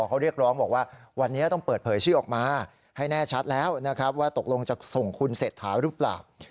เขาเรียกร้องบอกว่าวันนี้ต้องเปิดเผยชื่อออกมาให้แน่ชัดแล้วนะครับว่าตกลงจะส่งคุณเศรษฐาหรือเปล่า